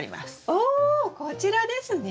おこちらですね？